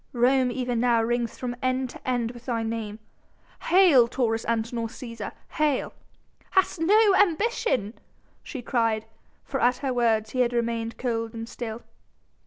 Rome even now rings from end to end with thy name: 'Hail Taurus Antinor Cæsar! Hail!' ... Hast no ambition?" she cried, for at her words he had remained cold and still.